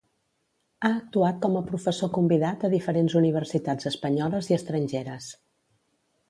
Ha actuat com a professor convidat a diferents universitats espanyoles i estrangeres.